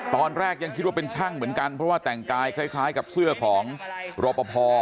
ตอนแรกยังคิดว่าเป็นช่างเหมือนกันเพราะว่าแต่งกายคล้ายกับเสื้อของรอปภ